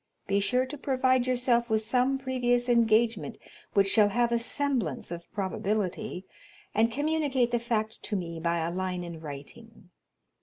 Be sure to provide yourself with some previous engagement which shall have a semblance of probability, and communicate the fact to me by a line in writing.